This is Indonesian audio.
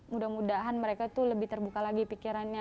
mudah mudahan mereka tuh lebih terbuka lagi pikirannya